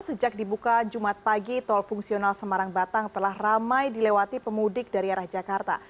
sejak dibuka jumat pagi tol fungsional semarang batang telah ramai dilewati pemudik dari arah jakarta